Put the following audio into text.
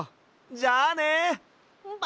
じゃあね！